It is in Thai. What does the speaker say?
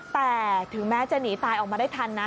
แต่ถึงแม้จะหนีตายออกมาได้ทันนะ